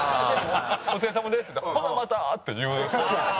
「お疲れさまです」って言ったら「ほなまた」って言う。